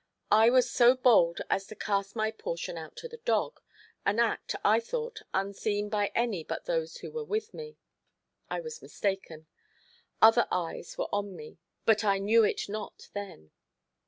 I was so bold as to cast my portion out to the dog, an act, I thought, unseen by any but those who were with me. I was mistaken; other eyes were on me but I knew it not then.